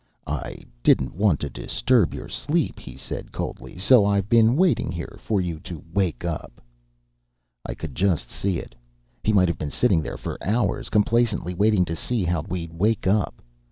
"I didn't want to disturb your sleep," he said coldly. "So I've been waiting here for you to wake up." I could just see it. He might have been sitting there for hours, complacently waiting to see how we'd wake up.